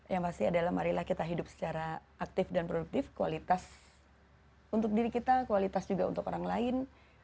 yang pasti adalah marilah kita hidup secara aktif dan produktif kualitas untuk diri kita kualitas juga untuk orang lain